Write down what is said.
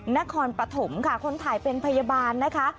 นครปฐมค่ะคนถ่ายเป็นพยาบาลนะคะ